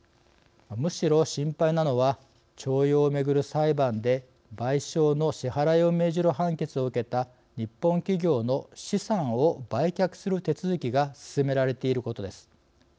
むしろ心配なのは徴用をめぐる裁判で賠償の支払いを命じる判決を受けた日本企業の資産を売却する手続きが進められていることです。